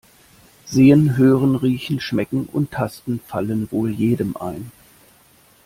Sehen, Hören, Riechen, Schmecken und Tasten fallen wohl jedem ein.